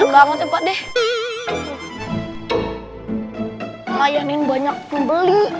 layanin banyak pembeli